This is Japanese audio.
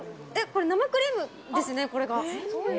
これ、生クリームですね、これが。